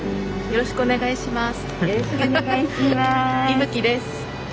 よろしくお願いします。